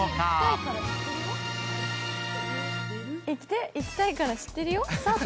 行きたいから知ってるよ。